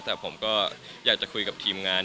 แต่ผมก็อยากจะคุยกับทีมงาน